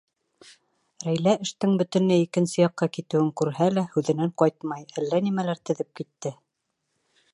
Рәйлә эштең бөтөнләй икенсе яҡҡа китеүен күрһә лә, һүҙенән ҡайтмай, әллә нәмәләр теҙеп китте.